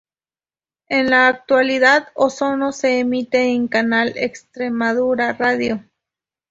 En la actualidad "Ozono" se emite en Canal Extremadura Radio.